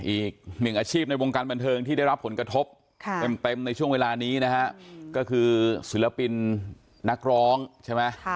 อีกหนึ่งอาชีพในวงการบันเทิงที่ได้รับผลกระทบเต็มในช่วงเวลานี้นะฮะก็คือศิลปินนักร้องใช่ไหม